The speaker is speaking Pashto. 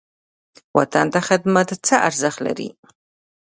وطن ته خدمت څه ارزښت لري؟